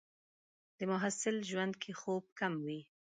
د محصل ژوند کې خوب کم وي.